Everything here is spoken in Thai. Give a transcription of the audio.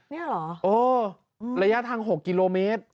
เนี่ยเหรอเออระยะทาง๖กิโลเมตร